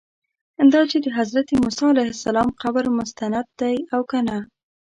دا چې د حضرت موسی علیه السلام قبر مستند دی او که نه.